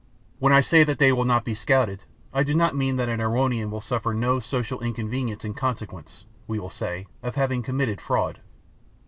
When I say that they will not be scouted, I do not mean that an Erewhonian will suffer no social inconvenience in consequence, we will say, of having committed fraud.